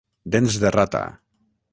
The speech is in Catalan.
Dents de rata.